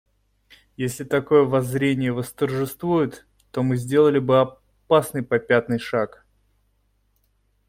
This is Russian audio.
Если такое воззрение восторжествует, то мы сделали бы опасный попятный шаг.